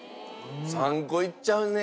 ３個いっちゃうね